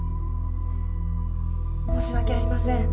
申し訳ありません。